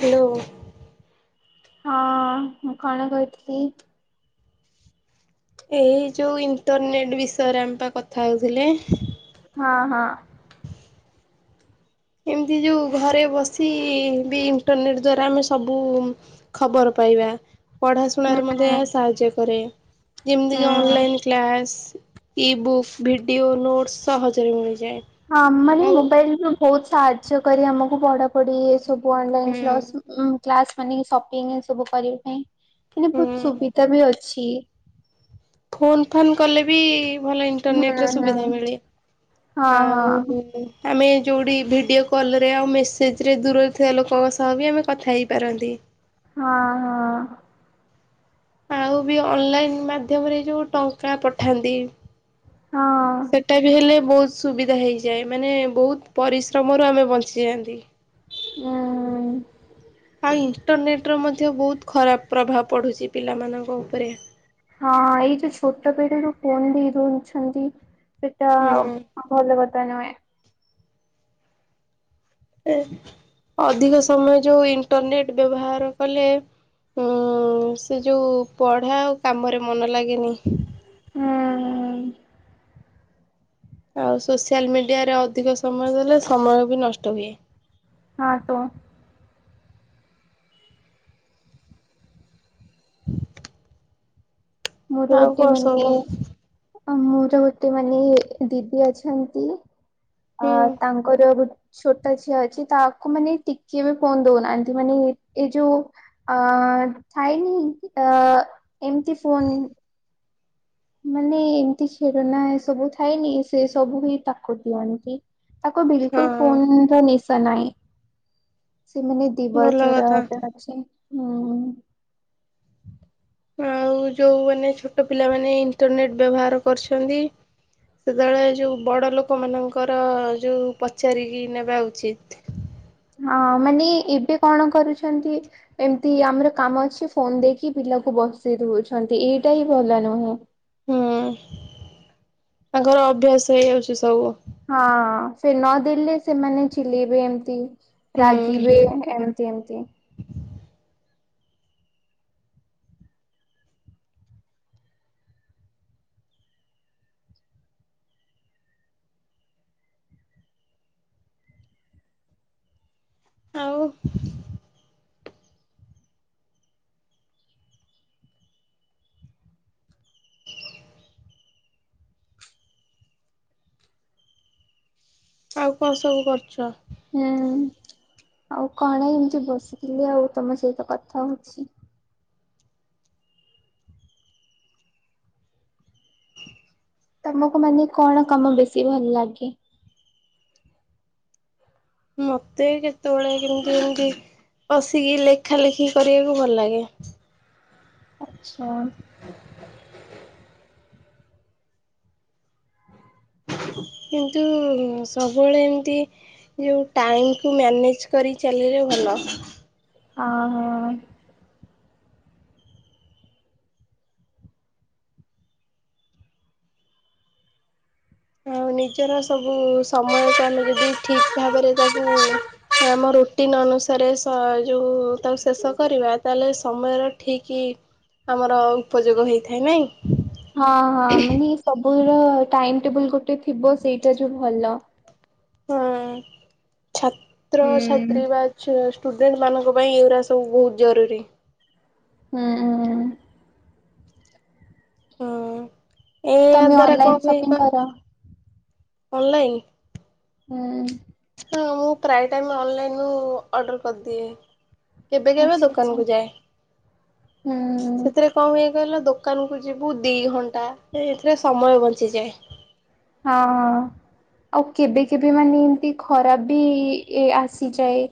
Hello. ହଁ ମୁଁ କଣ କହିଥିଲି। ଏଇ ଯୋଉ ଇଣ୍ଟରନେଟ ବିଷୟରେ ଆମେ ପା କଥା ହୋଉଥିଲେ। ହଁ ହଁ। ଏମିତି ଯୋଉ ଘରେ ବସି ବି ଇଣ୍ଟରନେଟ୍ ଦ୍ଵାରା ଆମେ ସବୁ ଖବର ପାଇବା। ହୁଁ ପଢ଼ାଶୁଣାରୁ ମଧ୍ୟ ଏହା ସାହାଯ୍ୟ କରେ। ଯେମିତିକି ହୁଁ। Online class. E book video notes ସହଜରେ ମିଳିଯାଏ। ହଁ ଆମର ଆଉ ମୋବାଇଲ ରୁ ବହୁତ ସାହାଯ୍ୟ କରି ଆମକୁ ପଢାପଢି ଏସବୁ କୁହ ଅନଲାଇନ୍‌ ହୁଁ କ୍ଲାସ୍ କ୍ଲାସ୍‌ ମାନେ ସପିଙ୍ଗ ସବୁ କରିବା ପାଇଁ। ଏ ହୁଁ ବହୁତ ସୁବିଧା ବି ଅଛି। ଫୋନ୍ ଫାନ୍ କଲେ ବି ଭଲ ହୁଁ ଇଣ୍ଟରନେଟ୍ ରେ ହୁଁ ସୁବିଧା ମିଳେ। ହଁ ହଁ ଆଉ ଆମେ ଯୋଉଠି ଭିଡ଼ିଓ କଲ୍ ରେ ଆଉ ମେସେଜେରେ ଦୂରରେ ଥିବା ଲୋକଙ୍କ ସହ ବି ଆମେ କଥା ହେଇପାରନ୍ତି। ହଁ ହଁ। ଆଉ ବି ଅନ୍‌ଲାଇନ୍‌ ମାଧ୍ୟମରେ ଯୋଉ ଟଙ୍କା ପଠାନ୍ତି। ହଁ। ଏଟା ବି ହେଲେ ବହୁତ ସୁବିଧା ହୋଇଯାଏ। ମାନେ ବହୁତ ପରିଶ୍ରମରୁ ଆମେ ବଞ୍ଚିଯାଆନ୍ତି। ହୁଁ। ଆଉ ଇଣ୍ଟରନେଟ୍ ରେ ମଧ୍ୟ ବହୁତ ଖରାପ ପ୍ରଭାବ ପଡ଼ୁଛି ପିଲାମାନଙ୍କ ଉପରେ। ହଁ ଏଇ ଯୋଉ ଛୋଟ ପେଢୀରୁ ଫୋନ୍ ବି ଦୋଉଛନ୍ତି। ସେଟା ଆଉ ହୁଁ ଭଲ କଥା ନୁହେଁ। ଅଧିକ ସମୟ ଯୋଉ ଇଣ୍ଟରନେଟ ବ୍ୟବହାର କଲେ। ହୁଁ ସେ ଯୋଉ ପଢା ଆଉ କାମରେ ମନ ଲାଗେନି। ହୁଁ ହୁଁ। ଆଉ ସୋସିଆଲ ମିଡିଆରେ ଅଧିକ ସମୟ ଦେଲେ ସମୟ ବି ନଷ୍ଟ ହୁଏ। ହଁ ତ। ମୋର ଆଉ ଗୋଟେ କଣ ମାନେ ସବୁ ମୋର ଗୋଟେ ମାନେ ଦିଦି ଅଛନ୍ତି। ହୁଁ ଆ ତାଙ୍କର ଏବେ ଛୋଟା ଝିଅ ଅଛି ତାକୁ ମାନେ ଟିକଏ ବି ଫୋନ୍ ଦଉନାହାନ୍ତି। ମାନେ ଏଇ ଯୋଉ ଅ ଥାଇ ନି ଏମିତି ଫୋନ। ମାନେ ଏମିତି ସେରନା ଏ ସବୁ ଥାଏନି ସେ ସବୁ ହି ତାକୁ ଦିଅନ୍ତି। ତାକୁ ବିଲ୍ ହଁ କୁଲ୍ ଫୋନ୍ ନିସା ନାହିଁ। ସେମାନେ ଭଲ ତିବଚର କଥା। ଗୋଟେ ଅଛି ହୁଁ। ଆଉ ଯୋଉମାନେ ଛୋଟ ପିଲାମାନେ ଇଣ୍ଟରନେଟ୍ ବ୍ୟବହାର କରୁଛନ୍ତି। ସେତେବେଳେ ଯୋଉ ବଡ଼ ଲୋକମାନଙ୍କର ଯୋଉ ପଚାରିକି ନେବା ଉଚିତ୍। ହଁ ମାନେ ଏବେ କଣ କରୁଛନ୍ତି? ଏମିତି ଆମର କାମ ଅଛି ଫୋନ ଦେଇକି ପିଲାକୁ ବସି ଦଉଛନ୍ତି। ଏଇଟା ହିଁ ଭଲ ନୁହେଁ। ହୁଁ ତାଙ୍କର ଅଭ୍ୟାସ ହେଇଯାଉଛି ସବୁ। ହଁ ସେ ନଦଲେ ସେମାନେ ଚିଲେଇବେ ଏମତି ହୁଁ। ରାଗିବେ ଏ କେମତି? ଆଉ ଆଉ କଣ ସବୁ କରୁଛ? ହୁଁ ଆଉ କଣ ଏମିତି ବସିଥିଲି ଆଉ ତମ ସହିତ କଥା ହଉଛି। ତମକୁ ମାନେ କଣ କାମ ବେଶୀ ଭଲ ଲାଗେ? ମତେ କେତେବେଳେ କେମିତି ଏମତି ବସିକି ଲେଖା ଲେଖି କରିବାକୁ ଭଲ ଲାଗେ। ଆଚ୍ଛା। କିନ୍ତୁ ସବୁବେଳେ ଏମିତି ଯୋଉ ଟାଇମକୁ ମ୍ୟାନେଜ କରି ଚାଲିଲେ ଭଲ। ଅ ହ। ଆଉ ନିଜର ସବୁ ସମୟକୁ ଆମେ ଯଦି ଠିକ୍ ଭାବରେ ତାକୁ ଆମ ରୁଟିନ୍ ଅନୁସାରେ ସ ଯୋଉ ତାକୁ ଶେଷ କରିବା ତାହେଲେ ସମୟର ଠିକ୍ ଆମର ଉପଯୋଗ ହେଇଥାଏ ନାଇଁ। ହଁ ହଁ ମାନେ ସବୁ ର ଟାଇମ ଟେବୁଲ ଗୋଟେ ଥିବ ସେଇଟା ଯୋଉ ଭଲ। ହଁ ଛାତ୍ରଛାତ୍ରୀ ବା ଷ୍ଟୁଡେଣ୍ଟ ମାନଙ୍କ ପାଇଁ ଏଉରା ସବୁ ବହୁତ ଜରୁରୀ। ହୁଁ ଉଁ। ଏ ଆଦରା କଁ ହୁଏ କ ଅନଲାଇନ୍। ହୁଁ। ହଁ ମୁଁ ପ୍ରାୟ ଟାଇମ ଅନଲାଇନରୁ ଅର୍ଡ଼ର କରିଦିଏ। କେବେ କେବେ ଦୋକାନ କୁ ଯାଏ ହୁଁ, ସେଥିରେ କଣ ହୁଏ କହିଲ ଦୋକାନକୁ ଯିବୁ ଦି ଘଣ୍ଟା ଏଥିରେ ସମୟ ବଞ୍ଚିଯାଏ। ହଁ ହଁ। ଆଉ କେବେ କେବେ ମାନେ ଏମତି ଖରାପ ବି ଆସିଯାଏ।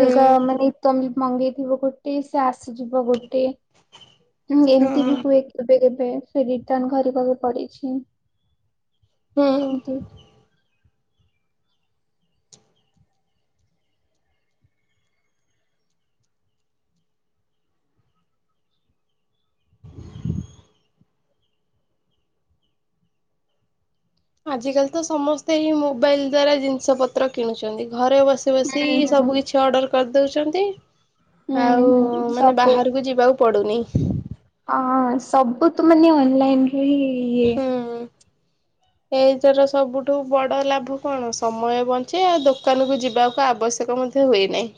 ହୁଁ ମାନେ ତମେ ମଗେଇଥିବ ଗୋଟେ ସେ ଆସିଯିବ ଗୋଟେ। ହୁଁ ଏମିତି ବି ହୁଏ କେବେ କେବେ ସେ ରିଟର୍ଣ କରିବାକୁ ପଡିଛି। ହୁଁ। ଏମତି ଆଜିକାଲି ତ ସମସ୍ତେ ହିଁ ମୋବାଇଲ ଦ୍ଵାରା ଜିନିଷ ପତ୍ର କିଣୁଛନ୍ତି ଘରେ ବସି ବସି ହୁଁ, ବସି ହୁଁ, ସବୁ କିଛି ଅର୍ଡର କରିଦଉଛନ୍ତି। ହୁଁ, ଆଉ ହୁଁ, ମାନେ ସବୁ ବାହାରକୁ ଯିବାକୁ ପଡୁନି। ହଁ ସବୁ ତୁ ମାନେ ଅନଲାଇନ ରୁ ହିଁ ଇ ହୁଁ। ଏଇ ତର ସବୁଠୁ ବଡ ଲାଭ କଣ ସମୟ ବଞ୍ଚେ ଆଉ ଦୋକାନ କୁ ଯିବାକୁ ଆବଶ୍ୟକ ମଧ୍ୟ ସେ ହୁଏ ନାହିଁ।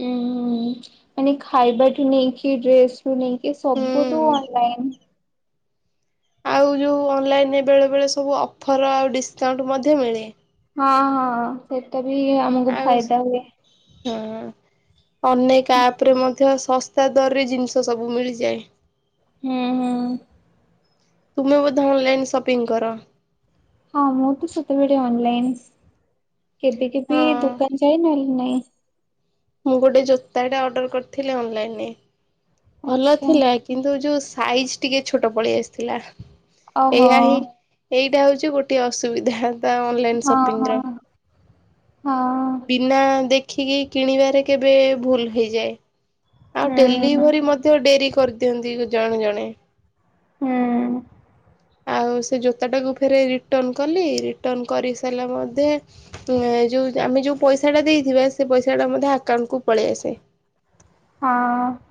ଉଁ ହୁଁ ମାନେ ଖାଇବା ଠୁ ନେଇକି ଡ୍ରେସ୍ ତୁ ନେଇକି ସବୁ ତୁ ହୁଁ ଅନଲାଇନ୍। ଆଉ ଯୋଉ ଅନଲାଇନ୍ ରେ ବେଳେବେଳେ ସବୁ ଅଫର୍ ଆଉ ଡିସକାଉଣ୍ଟ ମଧ୍ୟ ମିଳେ। ହଁ ହଁ ସେଇଟା ବି ଆମକୁ ଆଉ ଫାଇଦା ହୁଏ। ହଁ। ଅନେକ ଆପ ରେ ମଧ୍ୟ ଶସ୍ତା ଦରରେ ଜିନିଷ ସବୁ ମିଳିଯାଏ। ହୁଁ ହୁଁ। ତୁମେ ବୋଧେ ଅନଲାଇନ ସପିଂ କର? ହଁ ମୁଁ ତ ସେତେବେଳେ ଅନଲାଇନ କେବେ କେବେ ହଁ ଦୋକାନ ଯାଏ ନହେଲେ ନାଇଁ। ମୁଁ ଗୋଟେ ଜୋତାଟା ଅର୍ଡର କରିଥିଲି ଅନଲାଇନରେ ଭଲ ଆଚ୍ଛା ଥିଲା କିନ୍ତୁ ଯୋଉ ସାଇଜ ଟିକେ ଛୋଟ ପଳେଇ ଆସିଥିଲା ଓହୋ ଏହା ହିଁ ଏଇଟା ହଉଛି ଗୋଟେ ଅସୁବିଧା ତା ଅନଲାଇନ ହଁ ହଁ ସପିଙ୍ଗ ର ହଁ। ବି ବିନା ଦେଖିକି କିଣିବାରେ କେବେ ଭୁଲ ହୋଇଯାଏ। ଆଉ ହୁଁ ଡେଲିଭରି ମଧ୍ୟ ଡେରି କରିଦିଅନ୍ତି ଜଣେ ଜଣେ। ହୁଁ। ଆଉ ସେ ଜୋତାଟାକୁ ଫେରେ ରିଟର୍ଣ କଲି ରିଟର୍ଣ କରି ସାରିଲା ମଧ୍ୟେ ଯୋଉ ଆମେ ଯୋଉ ପଇସା ଟା ଦେଇଥିବା ସେ ପଇସାଟା ମଧ୍ୟ ଆକାଉଣ୍ଟକୁୁ ପଳେଇ ଆସେ। ହଁ।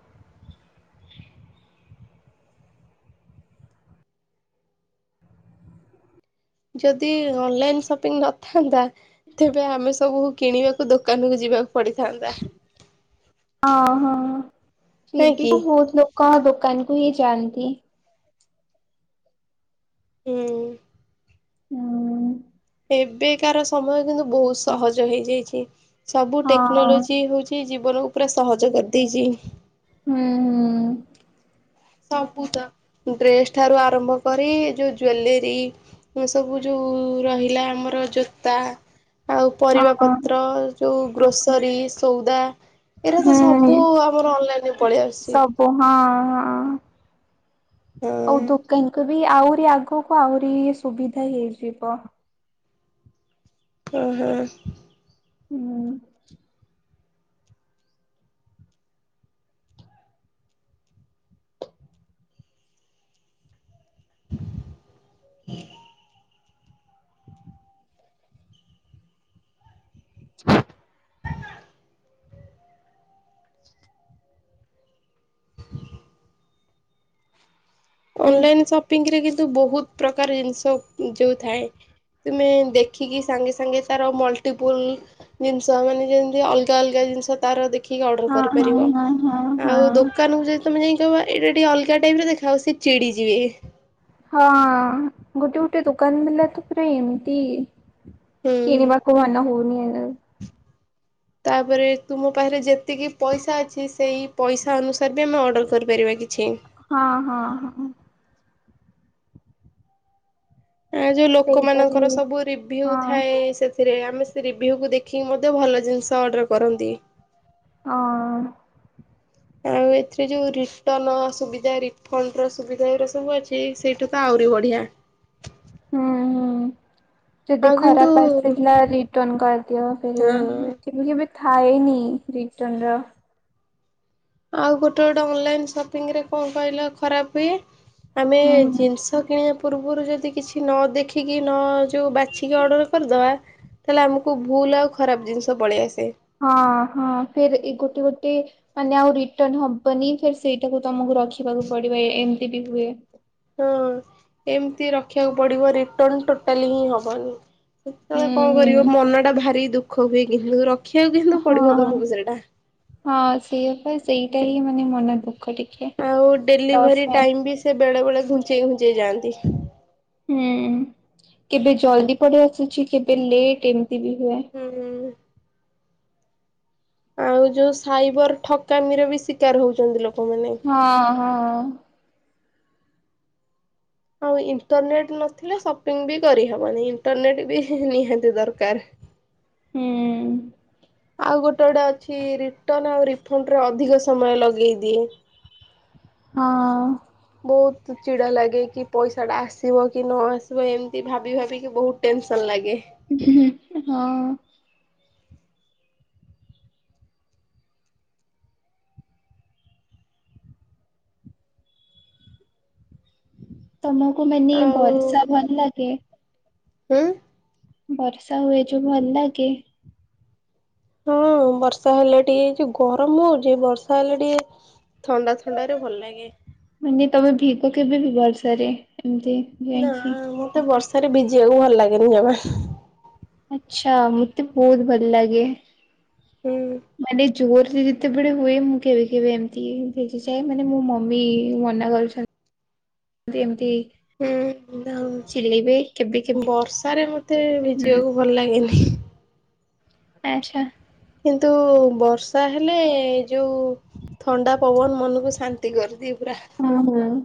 ଯଦି ଅନଲାଇନ ସପିଙ୍ଗ ନଥାନ୍ତା ତେବେ ଆମେ ସବୁ କିଣିବାକୁ ତୁ ଦୋକାନକୁୁ ଯିବା ଅ ହଁ [unintelligible] ନାଇଁ କି? କଣ ଦୋକାନ କୁ ହିଁ ଯାଆନ୍ତି? ହୁଁ। ହୁଁ। ଏବେକାର ସମୟ କିନ୍ତୁ ବହୁତ ସହଜ ହେଇଯାଇଛି। ସବୁ ହଁ ଟେକ୍ନୋଲୋଜି ହଉଛି ଜୀବନକୁ ପରା ସହଜ କରିଦେଇଛି। ହୁଁ ହୁଁ। ସବୁ ତ ଡ୍ରେସ ଠାରୁ ଆରମ୍ଭ କରି ଯୋଉ ଜୁଏଲେରୀ ମ ସବୁ ଯଉଁ ରହିଲା ଆମର ଜୋତା ଆଉ ହୁଁ ପରିବା ହଁ ପତ୍ର ଯୋଉ ଗ୍ରୋସୋରୀ ସଉଦା ଏଇରା ତ ହୁଁ। ସବୁ ଆମର ଅନଲାଇନ ରେ ପଳେଇ ଆସୁଛି। ଓ ହଁ ହଁ। ହଁ। ଆଉ ଦୋକାନୀ କୁ ବି ଆହୁରି ଆଗକୁ ଆହୁରି ସୁବିଧା ହେଇଯିବ। ହୁଁ ହୁଁ। ହୁଁ। [inaudible] [unintelligible] ହଁ ଅନଲାଇନ ସପିଙ୍ଗ ରେ କିନ୍ତୁ ବହୁତ ପ୍ରକାର ଜିନିଷ ଯୋଉ ଥାଏ। ତୁମେ ଦେଖିକି ସାଙ୍ଗେ ସାଙ୍ଗେ ତାର ମଲ୍ଟିପୁଲ ଜିନିଷ ମାନେ ଯେମିତି ଅଲଗା ଅଲଗା ଜିନିଷ ତାର ଦେଖିକି ଅର୍ଡର ହଁ କରିପାରିବ ହଁ ହଁ ଆଉ ହଁ। ଦୋକ କାନକୁ ଯଦି ତମେ ଯାଇ କହିବ ଏଇଟା ଟିକେ ଅଲଗା ଟାଇପ୍ ର ଦେଖାଅ ସେ ଚିଡ଼ିଯିବେ। ହଁ ଗୋଟେ ଗୋଟେ ଦୋକାନ ବାଲା ତ ପୁରା ଏମିତି ହୁଁ କିଣିବା [unintelligible] ତାପରେ ତୁମ ପାଖରେ ଯେତିକି ପଇସା ଅଛି ସେଇ ପଇସା ଅନୁସାରେ ବି ଆମେ ଅର୍ଡ଼ର କରିପାରିବା କିଛି। ହଁ ହଁ ହଁ। ଆ ଯୋଉ ସେଇଟା ବି ଲୋକମାନଙ୍କର ସବୁ ରିଭ୍ୟୁ ହଁ ଥାଏ ସେ ଥିରେ ଆମେ ସେ ରିଭ୍ୟୁକୁ ଦେଖିକି ମଧ୍ୟ ଭଲ ଜିନିଷ ଅର୍ଡ଼ର କରନ୍ତି। ହଁ। ଆଉ ଏଥିରେ ଯଉ ରିଟର୍ଣ୍ଣ ସୁବିଧା ରିଫଣ୍ଡର ସୁବିଧା ଏରା ସବୁ ଅଛି ସେଇଟା ତ ଆହୁରି ବଢ଼ିଆ। ହୁଁ ହୁଁ। ଯଦି ଆଉ କିନ୍ତୁ ଖରାପ ଆସିଥିଲା ରିଟର୍ଣ କରିଦିଅ ଫେ ହଁ। କେବେ କେବେ ଥାଏନି ରିଟର୍ନ ର ଆଉ ଗୋଟେ ଗୋଟେ ଅନଲାଇନ ସପିଂ ରେ କଣ କହିଲ ଖରାପ ବି ଆମେ ହୁଁ। ହୁଁ। ଜିନିଷ କିଣିବା ପୂର୍ବରୁ ଯଦି କିଛି ନ ଦେଖିକି ନ ଯୋଉ ବାଛିକି ଅର୍ଡର କରିଦବା ତାହେଲେ ଆମକୁ ଭୁଲ ଆଉ ଖରାପ ଜିନିଷ ପଳେଇ ଆସେ। ହଁ ହଁ ଫେର୍ ଏଇ ଗୋଟେ ଗୋ ମାନେ ଆଉ ରିଟର୍ଣ ହବନି ଫିର୍ ସେଇଟାକୁ ତମକୁ ରଖିବାକୁ ପଡ଼ିବ ଏମିତି ବି ହୁଏ। ହଁ ଏମିତି ରଖିବାକୁ ପଡ଼ିବ ରିଟର୍ଣ ଟୋଟାଲି ହିଁ ହବନି। ହୁଁ ସେତେବେଳେ କଣ କରିବ ହୁଁ ମନ ଟା ଭାରି ଦୁଃଖ ହୁଏ କିନ୍ତୁ ରଖିବାକୁ କିନ୍ତୁ ପଡ଼ିବ ହଁ। ତମକୁ ସେଇଟା। ହଁ ସେଇଆ ପା ସେଇଟା ହିଁ ମାନେ ମନ ଦୁଃଖ ଟିକେ ଆଉ ଲସ୍ ଡେଲିଭରି ପାଇଁ ଟାଇମ୍ ବି ସେ ବେଳେବେେଳେ ଘୁଞ୍ଚେଇ ଘୁଞ୍ଚେଇ ଯାଆନ୍ତି। ହୁଁ କେବେ ଜଲଦି ପରେଇ ଆସୁଛି କେବେ ଲେଟ୍ ଏମିତି ବି ହୁଏ। ହୁଁ ଆଉ ଯୋଉ ସାଇବର ଠକାମିର ବି ଶିକାର ହଉଛନ୍ତି ଲୋକମାନେ। ହଁ ହଁ। ଆଉ ଇଣ୍ଟରନେଟ ନଥିଲେ ସପିଙ୍ଗ ବି କରିହବନି, ଇଣ୍ଟରନେଟ୍ ବି ନିହାତି ଦରକାର। [inaudible] ହୁଁ ଉଁ ଆଉ ଗୋଟେ ଗୋଟେ ଅଛି, ରିଟର୍ଣ ଆଉ ରିଫଣ୍ଡରେ ଅଧିକ ସମୟ ଲଗେଇଦିଏ। ହଁ ଅଁ ବହୁତ ଚିଡା ଲାଗେ କି ପଇସା ଟା ଆସିବ କି ନ ଆସିବ ଏମିତି ଭାବି ଭାବିକି ବହୁତ। ଟେନସନ୍ ଲାଗେ। ହୁଁ ହୁଁ ହୁଁ ହଁ। ତମକୁ ମାନେ ଆଉ ବର୍ଷା ଭଲ ଲାଗେ? ହୁଁ ଉଁ ବର୍ଷା ହୁଏ ଯୋଉ ଭଲ ଲାଗେ? ହଁ ବର୍ଷା ହେଲେ ଟିକେ ଯୋଉ ଗରମ ହଉଛି ବର୍ଷା ହେଲେ ଟିକେ ଥଣ୍ଡା ଥଣ୍ଡା ରେ ଭଲ ଲାଗେ। ମାନେ ତମେ ଭିକ କେବେ ଭି ବର୍ଷାରେ ଏମିତି ନା ଯାଇକି ମତେ ବର୍ଷାରେ ଭିଜିବାକୁ ଭଲ ଲାଗେନି ଜମା। ଆଛା, ମତେ ବହୁତ ଭଲ ଲାଗେ। ହୁଁ ଉଁ ମାନେ ଜୋରରେ ଯେତେବେଳେ ହୁଏ, ମୁଁ କେବେ କେବେ ଏମିତି ଭିଜିଯାଏ, ମାନେ ମୋ ମମି ମନା କରୁଛନ୍ତି। [inaudible] ତି ଏମତି ହୁଁ ଆଉ, କେବେ କେବେ ବର୍ଷାରେ ମତେ ହୁଁ ଭିଜିବାକୁ ଭଲ ଲାଗେନି। ଆଛା। କିନ୍ତୁ ବର୍ଷା ହେଲେ ଯୋଉ ଥଣ୍ଡା ପବନ ମନକୁ ଶାନ୍ତି କରିଦିଏ ପୁରା। ହଁ ହଁ।